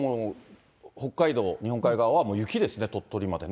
北海道、日本海側は雪ですね、鳥取までね。